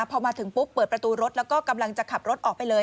พอมาถึงปุ๊บเปิดประตูรถแล้วก็กำลังจะขับรถออกไปเลย